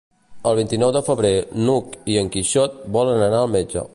El vint-i-nou de febrer n'Hug i en Quixot volen anar al metge.